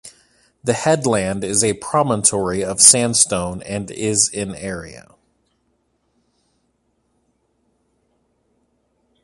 The headland is a promontory of sandstone and is in area.